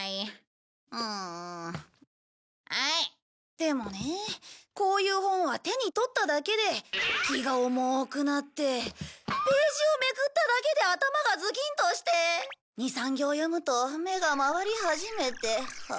でもねこういう本は手に取っただけで気が重くなってページをめくっただけで頭がズキンとして２３行読むと目が回り始めて。